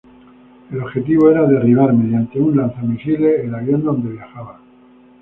El objetivo era derribar, mediante un lanzamisiles, el avión donde viajaba.